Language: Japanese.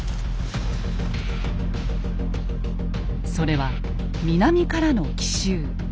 それは南からの奇襲。